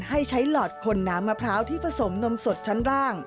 ให้ใช้หลอดคนน้ำมะพร้าวที่ผสมนมสดชั้นล่าง